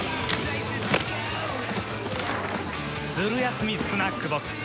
ずる休みスナックボックス